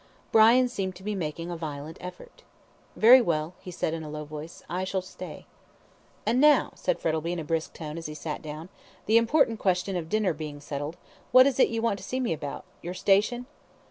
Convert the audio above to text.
Brian seemed to be making a violent effort. "Very well," he said in a low voice; "I shall stay." "And now," said Frettlby, in a brisk tone, as he sat down; "the important question of dinner being settled, what is it you want to see me about? Your station?"